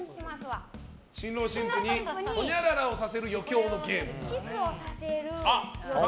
新郎新婦にほにゃららをさせる余興のゲーム。